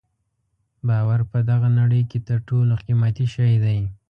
باور په دغه نړۍ کې تر ټولو قیمتي شی دی.